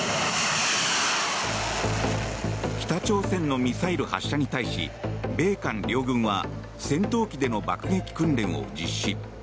北朝鮮のミサイル発射に対し米韓両軍は戦闘機での爆撃訓練を実施。